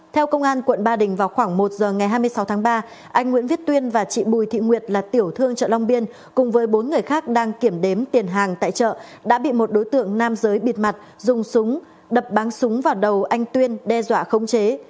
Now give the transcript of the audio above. theo công an quận ba đình vào khoảng một giờ ngày hai mươi sáu tháng ba anh nguyễn viết tuyên và chị bùi thị nguyệt là tiểu thương chợ long biên cùng với bốn người khác đang kiểm đếm tiền hàng tại chợ đã bị một đối tượng nam giới bịt mặt dùng súng đập bắn súng vào đầu anh tuyên đe dọa khống chế